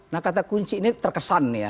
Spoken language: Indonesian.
nah kata kunci ini terkesan ya